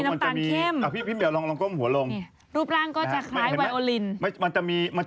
หน้าตาของแมงมุมอย่างที่เราเห็นด้านหลัง